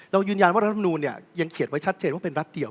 ยืนยันว่ารัฐมนูลยังเขียนไว้ชัดเจนว่าเป็นรัฐเดียว